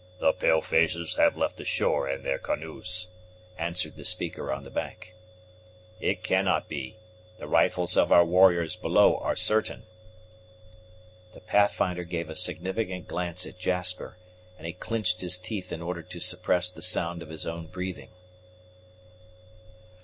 "The pale faces have left the shore in their canoes," answered the speaker on the bank. "It cannot be. The rifles of our warriors below are certain." The Pathfinder gave a significant glance at Jasper, and he clinched his teeth in order to suppress the sound of his own breathing.